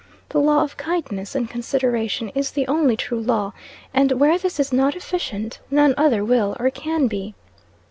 The law of kindness and consideration is the only true law, and where this is not efficient, none other will or can be.